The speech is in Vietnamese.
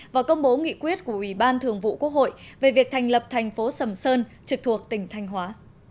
và công bố nghị quyết của ủy ban thường vụ quốc hội về việc thành lập thành phố sầm sơn trực thuộc tỉnh thanh hóa